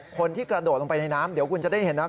คนที่กระโดดลงไปในน้ำเดี๋ยวคุณจะได้เห็นนะ